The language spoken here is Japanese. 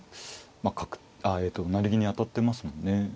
まあ成銀に当たってますもんね。